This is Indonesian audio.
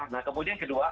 nah kemudian kedua